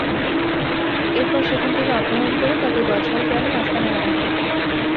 এরপর সেখান থেকে অপহরণ করে তাঁকে গছাইল গ্রামের আস্তানায় আনা হয়।